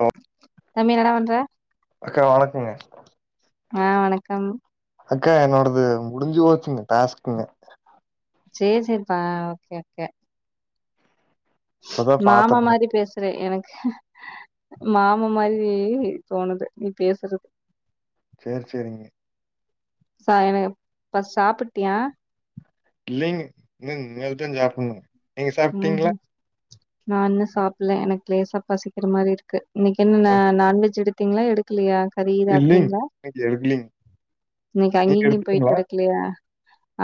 Hello தம்பி என்னடா பண்ற அக்கா வணக்குங்க ஆஹ் வணக்கம் அக்கா என்னோடது முடிஞ்சு போச்சுங்க டாஸ்குங்க சேரி சேரிப்பா ஓகே ஓகே இப்பதா மாமா பாத்தங்க மாரி பேசுற எனக் மாமா மாதிரி தோணுது நீ பேசுறது சேரி சேரிங் [unintelligible] சாப்பிட்டுயா இல்லிங்க இனிமேல்தாங்க சாப்டனு நீங்க சாப்டீங்களா ம்ஹூம் நா இன்னு சாப்ல எனக்கு லேசா பசிக்கிற மாரி இருக்கு இன்னைக்கு என்ன நான்வெஜ் எடுத்து எடுதீங்களா எடுக்கலயா கரி இல்லைங்க இதாக்குனீங்களா இன்னைக்கு எடுக்கலீங்க இன்னிக்கு நீங்க அங்கியிங்கியும் போய்ட்டு எடுத்துட்டீங்களா எடுக்கலயா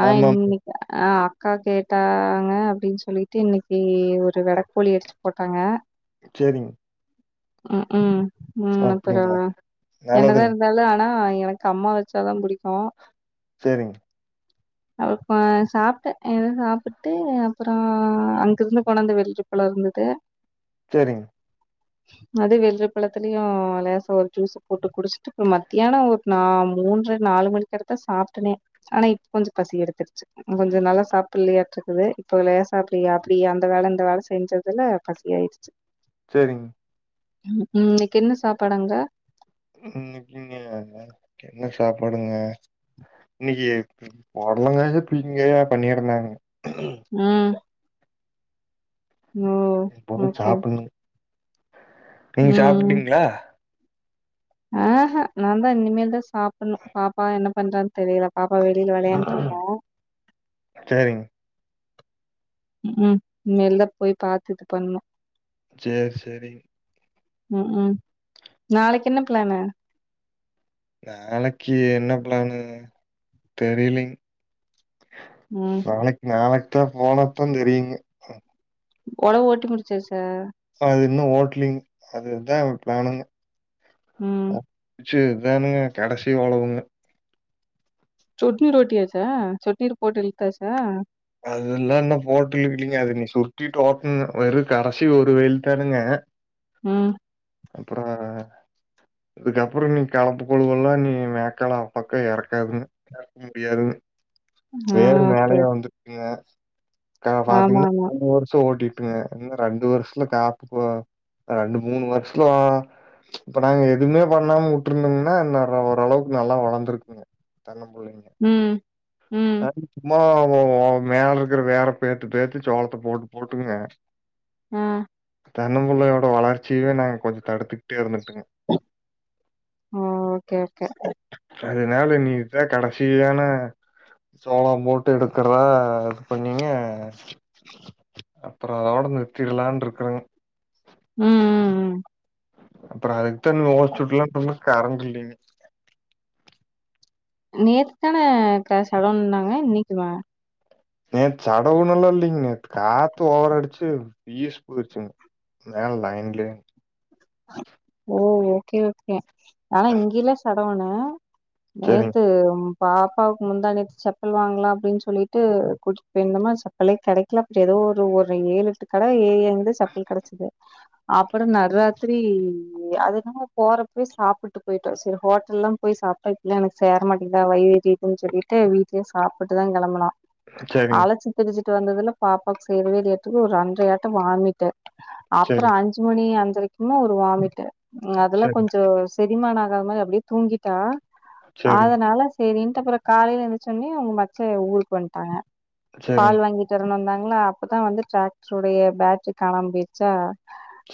ஆஹ் ஆமா இன்னிக்கு [unintelligible] கேட்டாங்க அப்டின்னு சொல்லி இன்னிக்கி ஒரு வெடக்கோழி அடிச்சு போட்டாங்க சேரிங்க உம் உம் உம் அப்டிங்களா [unintelligible] என்னதா நல்லதுங்க இருந்தாலும் ஆனா எனக்கு அம்மா வெச்சாதா புடிக்கும் சேரிங் அ சாப்ட ஏதோ சாபிட்டு அப்பறோ ஆஹ் அங்க இருந்து கொன்டத்த [unintelligible] இருந்தது சேரிங் அது வெள்ரிபழத்தலயும் லேச ஒரு ஜூச போட்டு குடிச்சுட்டு இப்ப மத்தியானம் ஒரு நா மூன்ற நாலு மணிக்கு கிட்டதா சாப்ட்டனே ஆனா இப்ப கொஞ்சம் பசி எடுத்துருச்சு கொஞ்சம் நல்லா சாப்டலியாட்ட அது இப்போ லேசா அப்டிய அப்டிய அந்த வேல இந்த வேல செஞ்சதுல பசி ஆய்டுச்சு சேரிங் உம் இன்னிக்கு என்ன சாப்பாடு அங்க இன்னிக்குங்களா என்ன சாப்பாடுங்க இன்னிக்கு போடலங்கயோ பீர்க்கங்காயோ பண்ணிருந்தாங்க ம் ஓ இப்பதா ஓகே சாப்புட்ணுங்க நீங்க சாப்ட்டீங்களா ஆஹ்ஹ நாந்தா இனிமேல் தா சாப்புட்ணு பாப்பா என்ன பண்றான் தெரியல பாப் பா வெளில வெளையான்ட்ருக்கா சேரிங்க உம் உம் மேல போய் பாத்து இது பண்ணு சேர் சேரிங் உம் உம் நாளைக்கு என்ன பிளானு நாளைக்கு என்ன பிளானு தெரிலீங் ம் நாளைக் நாளைக் க போனாத்தா தெரியுங்க ஒரளவு ஓட்டி முடிச்சாசா அஹ் அது இன்னு ஓட்லிங் அதுதா பிளானுங்க ம் சேர்ங்க தானுங்க கடசி ஒழவுங்க சொட்ணீர் ஓட்டியாச்சா சொட்ணீர் போட்டு இ்ழுத்தாச்சா அதுல்லா இன்ன போட்டியு இல்லீங்க அது நீ சுருட்டிட்டு ஓட்னு வெறு கடசி ஒரு வெயில் தானுங்க ம் அப்ற அதுக்கப்புற நீ கலப்பு கொழுவ எல்லா நீ மேக்கால பக்கம் எறக்காதுங்க எறக்க முடியாதுங்க ஆ வேரு ஓகே மேலயே வந்து ஆ ஹ ஆமா பாத்தீங்கன்னா ஆமா [unintelligible] வருஷோ ஓட்டிட்டுங்க என்ன ரெண்டு வருஷல காப்புக்கு ரெண்டு மூணு வருஷத்துல இப்ப நாங்க எதுவுமே பண்ணாம விட்டருந்தோங்கன்னா இன்னேற ஓரளவுக்கு நல்லா வளர்ந்தருக்குங்க தென்னப்புள்ளைங்க ம் ம் ஆஹ்மா ஓ மேல இருக்கிற வேர பேத்துப்பேத்து சோளத்தை போட்டு போட்டுங்க ஆஹ் தென்னம்பிள்ளையோட வளர்ச்சியவே நாங்க கொஞ்ச தடுத்துட்டே இருந்தம் ஓகே ஓகே அதனால நீதா கடைசியான சோளம் போட்டு எடுக்கதா இது பண்ணீங்க அப்புறோ அதோட நிறிதிரலான் இருக்குறங்க உஹம் உம் உம் அப்புற அது த நீங்க ஹஸிட்லா சொன்னா கரண்ட் இல்லீங்க நேத்து தானே கா சடோன்னாங்க இன்னைக்குமா நேத்து சடவுன்னல்லாம் இல்லைங்க காத்து ஓவரா அடிச்சு பீசு போயிச்சுங்க மேல லைன்ல ஓ ஓகே ஓகே ஆனா இங்கயில [unintelligible] சேரிங்க நேத்து பாப்பாவுக்கு முந்தா நேத்து செப்பல் வாங்கலாம் அப்படின்னு சொல்லிட்டு கூட்டிட்டு போயிருந்தமா செப்பலே கிடைக்கலா ஏதோ ஒரு ஏழுட்டு கடை வந்து சப்பல் கிடைச்சது அப்பறோ நடுர சரி அதுனால போறப்பவே போய் சாப்பிட்டு போயிட்டோம் சரி ஹோட்டல் எல்லாம் போய் சாப்பிட்டா இப்ப எனக்கு சேர மாட்டேங்குதா வைவேறதுன்னு சொல்லிட்டு வீட்டுலேயே சாப்பிட்டுதான் கிளம்புனோ சேரிங்க ஆல சித்தரி [unintelligible] விட்டு வந்ததுல பாப்பாவுக்கு செறவே இல்லய அஞ்சுவட்ட வாமிட்டு அப்புறோ சேரிங்க அஞ்சு மணி அந் இன்னோ ஒரு வாமிட்டு அதுல சரிங்க, கொஞ்சோ செரிமான ஆகாத மாறி அப்படியே தூங்கிட்டா சரிங்க, அதனால சேரின்டு அப்புறோ காலையில எந்திரிச்சாவுன்னாயு உங்க மச்ச ஊருக்கு வந்துட்டாங்க சரிங்க, பால் வாங்கிட்டு வரணும் தாங் ஏன்னா அப்பதான் வந்து டிராக்டருடைய பேட்ரி காணாம்மா போயிடுச்ச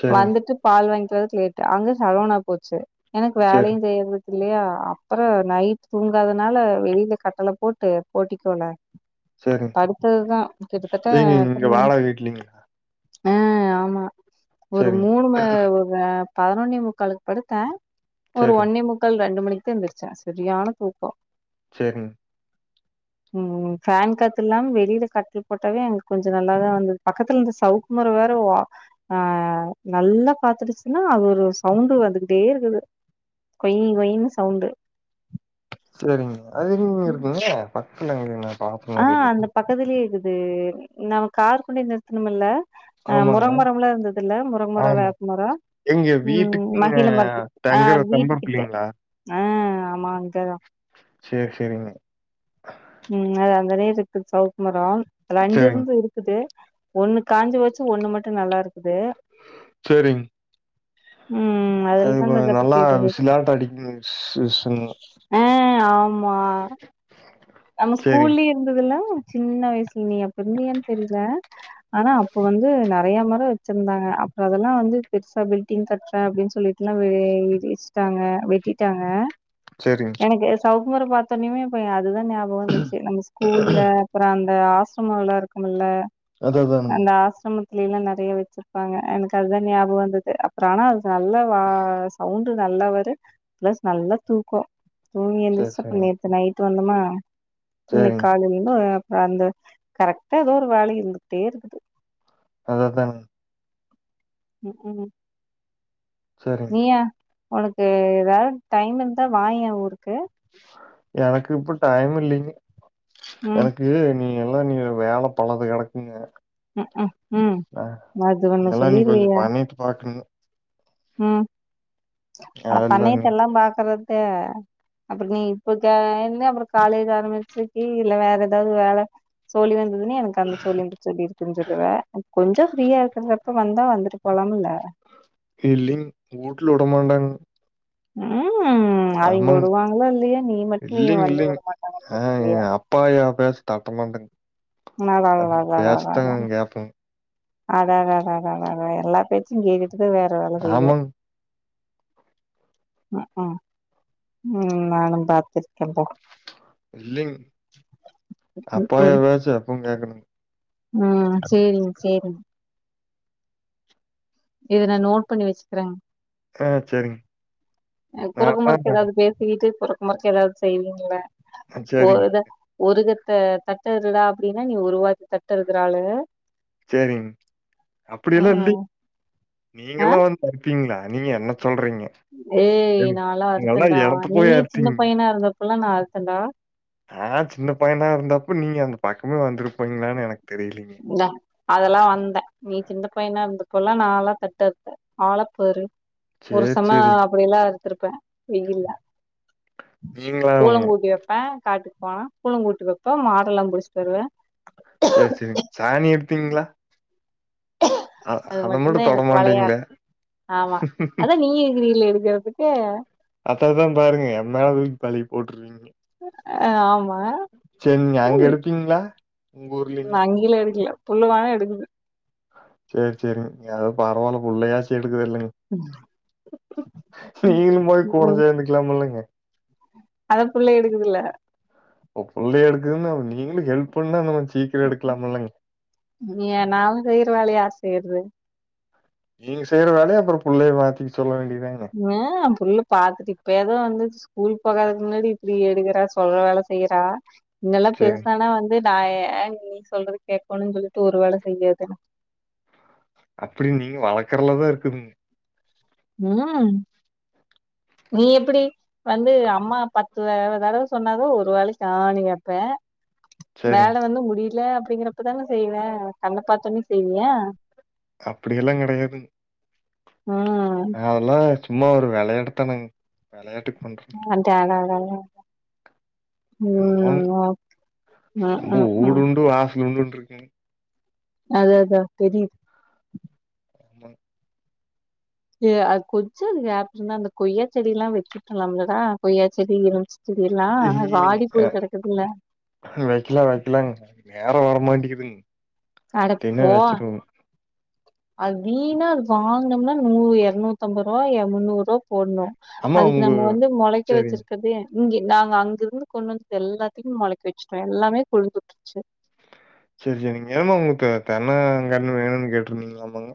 சரிங்க, வந்துட்டுப் அது வாங்கிட்டு வரதுக்கு லேட் அங்க சடேனா போச்சு எனக்கு சரி, வேலையும் செய்யுதற்கு இல்லையா அப்புறோ நைட் தூங்காதனால வெளியில கட்டல போட்டு போட்டிக்கோல சரிங்க. படுத்ததுதா கிட்டத்தட்ட ஏங்க இங்க எத்தன மணி வாடகை வீட்லீங்களா? ஏ ஆமா ஒரு சரிங்க, மூணு ம ஆ [inaudible] பதினொன்னே முக்காலுளுக்கு படுத்தேன் ஒரு சரிங்க, ஒன்னே முக்கால் ரெண்டு மணிக் த் எந்துரிச்சா செரியான தூக்கோ சேரிங் ம் ம் ஃபேன் காத்து இல்லாம வெளியில கட்டில் போட்டாவே எங்களுக்கு கொஞ்சோ நல்லாதான் வந்தது பக்கத்துல இருந்த சவுக்குமரம் வேற ஓவ் ஆ நல்லா பாத்துருச்சுன்னா அது ஒரு சவுண்டு வந்துகிட்டே இருக்குது கொய்ங் கொய்ங்னு சவுண்டு செரிங்க அது எங்கிங்க இருக்குங்க பக்த்துல இங்கின்களா ஆ அந்த பக்கத்துலையே இக்குது அது நாம கார் கொண்டேயி நிறுத்தணம்மல்ல அ ஆமாங்க, முரங்க மரம் எல்லா இருந்தது இல்ல முரங்கமரம் ஆமா. வேப்பமரம் எங்க உம் உம் வீட்டுக்குங்க மகில மரத்து ஆ தங்குற வீட்டு தம்புறது கிட்ட ஆ ஆமாங் சேரி சேரிங்க உம் அது அந்த நேர் இருக்குது சவுக்குமரம் ரெண்டு சரிங்க, இருந்து இருக்குது ஒண்ணு காஞ்சு போச்சு ஒண்ணு மட்டும் நல்லா இருக்குது செரிங் ம் அது அதுலதான் கொஞ்சோ நல்லா கதைப்பட்டு தோணுது. விசிலாட்ட அடிக்குங்க விசு விசுன்னு மா சரிங்க, ஸ்கூல்லையே இருந் இதுல்லாம் சின்ன வயசுல நீ பெருந்தையன்னு தெரில ஆனா அப்போ வந்து நெறைய மரம் வச்சுருந்தாங்க அப்பறோ அதெல்லாம் வந்து பெருசா பில்டிங் கட்டுற அப்டின்னு சொல்லிட்டு எல்லா இடிச்சட்டாங்க வெட்டிட்டாங்க சரிங்க. எனக்கு சௌ ஊர பாத்தோனுமே [unintelligible] அதுதான வந்துச்சு நம்ம ஸ்கூல்ல அப்பறோ அந்த [unintelligible] இருக்கும்ல்ல அது அதானுங்க. அந்த ஆசமத்து ல்லாம் நெறைய வச்சுருப்பாங்க எனக்கு அதுதான் ஞாபம் வந்துது அப்பறோ ஆனா அது நல்ல வா சவுண் நல்லா வரும் பிளஸ் நல்ல தூக்கோ துங்கி சரி, எந்திரிச்சு அப்ப சரிங்க, நேத்து நைட் [unintelligible] இன்னிக்கி சரிங்க. காலைல அந்த கரெக்டா ஏதோ ஒரு வேல இருந்துகிட்டே இருக்குது அதனுங்க உஹம் உம் சரிங்க. நீய உனக்கு ஏதாவது டைம் இருந்தா வா என் ஊருக்கு எனக்கு இப்ப டைம் இல்லிங் ம் எனக்கு நீ நீ எல்லாம் நீங்க வேல பலது கிடக்குங்க உஹ்ஹம் உம் அது ஒண்ணு இதெல்லாம் நீ கொஞ்சம் சொல்லீருவியே. பண்ணிட்டு பாக்கணுங்க. உம் அட அதுலங்க பண்ணையத்த எல்லாம் பாக்குறத அப்றம் நீ இப்ப சேந்து அப்றம் காலேஜ் ஆரம்பிச்சிக்கி, இல்ல வேற ஏதாவது வேல சோலி வந்து இங்ஙயே எனக்கு அந்த சோலி சோலி இருக்கு. சொல்லுவ. கொஞ்சம் ஃப்ரீயா இருக்றப்ப வந்தா வந்துட் போலாம்முல இல்லிங் ஊட்ல உடமாட்டாங்க. உம் உம் அவெங்க விடுவாங்ளோ இல்லயோ நீ மட்டும் நீ இல்லிங், வந்து இல்லிங். விட மாட்டாங்கன்னு சொல்லுவிய. தட்டமாட்டேங் கேப்பேங்க. [unintelligible] அடாடா அடாடா அடாடா எல்லா பேச்சும் கே இத வேற வேல செய்வ ஆமாங்க. அ ஆ நானு பாத்துருக்கே பா இல்லிங் அப்ப ம் ஏதாச்சு அப்பவு கே்கணுங். ம் சேரிங்க, சேரிங்க. இத நா நோட் பண்ணி வச்சிக்கிறேங். ஆ சரிங்க. குறக்கு மறுக்கு ஏதாவது பேசிக்கிட்டு குற நமக்கு ஏதாவது செய்வீங்கல்ல? அ சரிங்க, ஒருத ஒருகத் த தட்டு இதுல அப்டின்ன நீ உருவாக்கி தட்டு எடுக்குற ஆளு. செரிங்க், அப்டியெல்லா ம் ம் இல்லிங்க். நீங்க ஆ எல்லா வந்து பருப்பீங்ளா? நீங்க என்ன சொல்றீங்க? ஏய் ஏங்க நால்லா நீங்கல்லாம் அறுத்தேன்டா எடத்த நீ போய் சின்ன அறுத்தீங்க. பையனா இருந்த புல்லா நா அறுத்தன்டா ஆ சின்ன பையனா இருந்தப்ப நீங்க அந்த பக்கமே வந்துருப்பீங்களானு எனக்கு தெரியலீங்க. இந்தா அதெல்லா வந்தே நீ சின்ன பையனா இருந்த இப்பல்லா நால்லா தட்டு அறுப்பே ஆள பாரு. ஒரு சேரி சும சேரிங்க. அப்டி எல்லா இருக். அறுத்துருப்பே வெயில்ல. நீங்களா அவங்க? கூளங்கூட்டி வப்பே காட்டுக்கு போனா கூளங்கூட்டு வப்பே மாடெல்லா புடிச்சிட் வருவே. சேரி சேரிங்க. சாணி எடுத்தீங்ளா? அது மட்டுந்தா எனக்கு வளையாத் தொடமாட்டீங்களே. ஆமா அதா நீங்க இருக்றீங்லே எதுக்கே அத்ததுதா பாருங்க எம்மேலே தூக்கி பழிய போட்ரீங்க ஆ ஆமா செரி நீங்க அங்கே எடுப்பீங்ளா உங்க ஊர்லிங்க புள்ளுவானா எடுக்குது சேர் சேரி நீ அ பரவால்ல புள்ளயாச்சி எ எடுக்குது இல்லைங்க ம் நீங்களு போய் கூட ம் சேந்துக்கலா இல்லைங்க அத புள்ள எடுக்குதுல்ல உ புள்ளையே எடுக்குதுனு அவ நீங்களுக்கு ஹெல்ப் என்னவாஞ் ஏ நாவு செயிற வேளையார் சேர்து நீங்க செய்யுற வேல அப்புறோ புள்ளைய மாத்தி சொல்ல வேண்டிய ஆ புள்ள பாத்துட்டு இப்ப ஏதோ வந்து ஸ்கூல் போகாதுக்கு முன்னாடி இப்டி எடுக்கறா சொல்ற வேல செய்யறா இங்கெல்லா சரிங்க. பெருசானா வந்து நா ஏ நீ சொல்றது கேக்கோனுஞ் சொல்லிப்புட்டு ஒரு வேல செய்றது தான அப்படி நீங்க வளர்க்கறதுலதா இருக்குதுங் ம் நீ எப்படி வந்து அம்மா பத்து வ தடவ சொன்னா தா ஒரு வேலைக்கு ஆன்னு கேப்ப சரிங்க. வேல வந்து முடி இல்ல அப்படிங்கறப்பதான செய்வே கண்ண பாத்தோனே செய்வியா அப்படி எல்லா கெடையாதுங்க ம் அதெல்லா சும்மா ஒரு விளையாட தனங் வெளையாட்டுக் ம் [unintelligible] தாங்க ஆமா ம் என்னமோ ம் ஓக் ம் ம் ம் [unintelligible] இருக்கேங்க அத அதா தெரியுது ஆமாங்க ஏ அது கொஞ்சோ கேப்பிருந்தா அந்த கொய்யா செடிலா வச்சுட்டலாம்லடா கொய்யா செடி இருந்துச்சு இல் இல்லேங்க ஆ வெக்கலா வெக்கலாங்க அதுக்கு நேரோ வரு மாண்டிகுதுங் அடப்போ அது வீனா அது வாங்கனோம்னா நூறு எறநூத்ததம்ப ரூவா முன்னூறோ போடுணு ஆமா அதுக்கு உங்க நம்ம வந்து மொளைக்க சேரிங் வச்சிருக்கறதே இங்கே நாங்க அங்கருந்து கொண்டு வந்தது எல்லாத்தையு இங்க மொளைக்க வச்சுட்டே எல்லாமே கொழுந்துட்டுருச்சு செரி செரிங்க [unintelligible] தென்ன கன்னு வேணும்னு கேட்டிருந்தீங்களாமாங்க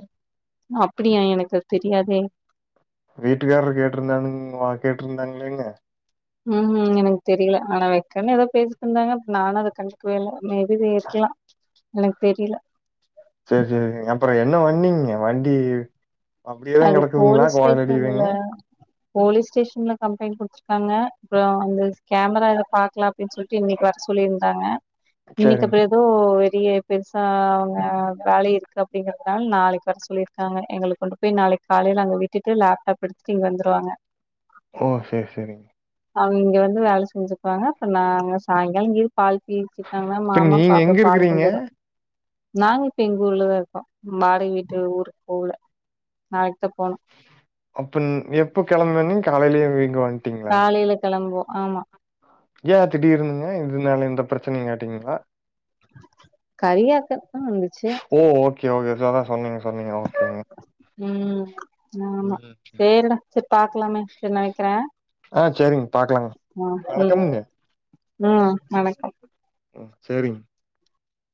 அப்படியா எனக்கு தெரியாதே வீட்டுக்காரர் கேடருந்தானுங் வா கேட்ருந்தாங்ளேங்க ம்ஹூம் எனக்கு தெரியல ஆனா வெக்கன்னு எதோ பேசிட்டுருந்தாங்க நானு அத கண்டுக்குவே இல்ல [unintelligible] எனக்கு தெரில செர் செரிங்க அப்பறோ என்ன வண்ணீங்க வண்டி அப்படியேதா அதுக்கு கெடக்குதுங்ளா போலீஸ் ஸ்டேஷன்ல [unintelligible] போலீஸ் ஸ்டேஷன்ல கம்ப்ளைண்டட் குடுத்துருக்கங்க அப்பறோ அந்த ஸ் கேமரால பாக்கலா அப்டின் சொல்லிட்டு இன்னைக்கு வர சொல்லிரு தாங்க இன்னிக்கு அ சேரிங் ப்பறோ எதோ பெ பெருசா அவங்க வேலை இருக்கு அப்படிங்கறதுனால நாளைக்கு வர சொல்லிருக்காங்க எங்களுக்கு பேய் நாளைக் காலையில அங்க விட்டுட்டு லேப்டாப் எடுத்துட்டு இங்க வந்துருவாங்க ஓ சேர் செரிங்க அவங் இங்க வந்து வேல செஞ்சுபாங்க இப்ப நாங்க சாயங்கால இரு பால் தீச்சுட்டாங்க இப்ப மாமா நீங்க பாப்பா எங்க பால் இருக்குறீங்க கொண்டுவரு நாங்க இப்ப எங்க ஊர்லதா இருக்கோ வாடகை வீட்டு ஊரு ஊருல நாளைக்த்தா போனு அப்பன் நி எப்ப கிளம்புவ நீ காலையிலயே வீங்குவாங் காலையில கெளம்பு ஆமா ஏ திடீர்னு இதனால எந்த பிரச்சனையு காட்டீங்களா கரியாத்த ஃபோனு வந்துச்சு ஓ! ஓகே ஓகே சோ அதா சொன்னீங் உம் ஆமா ம். சரிட சரி பாக்கலாமே சரி நா வைக்கிறே ஆ, சரிங்க பாக்கலாங்க. ஆஹ் உம் வணக்கம்ங்க. உம் வணக்க சரிங்க